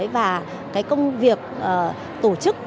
và công việc tổ chức